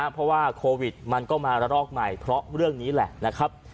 เพราะว่าโควิดมันก็มาระลอกใหม่เพราะเรื่องนี้แหละนะครับ